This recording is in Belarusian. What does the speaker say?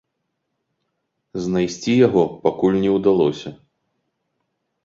Знайсці яго пакуль не ўдалося.